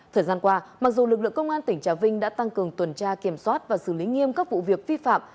thời gian qua mặc dù lực lượng công an tỉnh trà vinh đã tăng cường tuần tra kiểm soát và xử lý nghiêm các vụ việc vi phạm